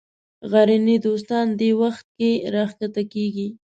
غرني دوستان دې وخت کې راکښته کېږي.